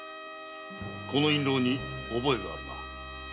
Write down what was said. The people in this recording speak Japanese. この印籠に覚えがあるな？